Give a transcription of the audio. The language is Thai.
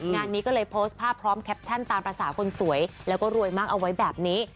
งานนี้ก็เลยโพสต์ภาพพร้อมแคปชั่นตามภาษาคนสวยแล้วก็รวยมากเอาไว้แบบนี้